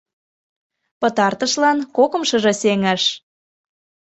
Пытартышлан кокымшыжо сеҥыш.